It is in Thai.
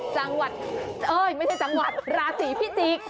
จังหวัดไม่ใช่จังหวัดราศรีพิจิก